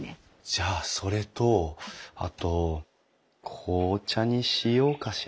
じゃあそれとあと紅茶にしようかしら。